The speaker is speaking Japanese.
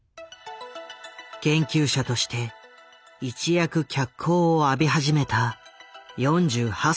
研究者として一躍脚光を浴び始めた４８歳の時だった。